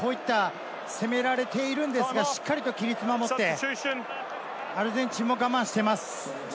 きょうはアルゼンチン、こういって攻められているんですが、しっかりと規律を守ってアルゼンチンも我慢しています。